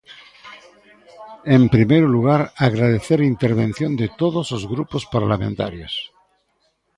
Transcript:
En primeiro lugar, agradecer a intervención de todos os grupos parlamentarios.